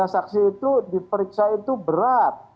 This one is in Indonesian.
lima saksi itu diperiksa itu berat